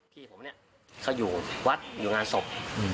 พี่ผมเนี่ยเขาอยู่วัดอยู่งานศพ